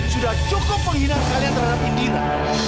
sudah cukup penghinaan kalian terhadap indira